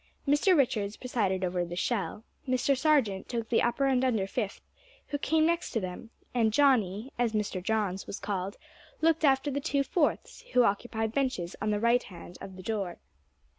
Mr. Richards presided over the "Shell." Mr. Sargent took the Upper and Under Fifth, who came next to them, and "Johnny," as Mr. Johns was called, looked after the two Fourths, who occupied benches on the right hand of the door.